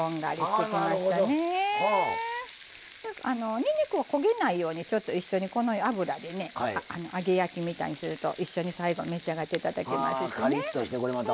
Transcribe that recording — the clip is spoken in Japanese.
にんにくを焦げないように一緒に油で揚げ焼きみたいにすると一緒に最後召し上がっていただけますね。